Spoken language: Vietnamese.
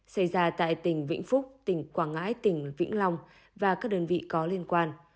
xảy ra tại tỉnh vĩnh phúc tỉnh quảng ngãi tỉnh vĩnh long và các đơn vị có liên quan